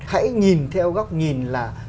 hãy nhìn theo góc nhìn là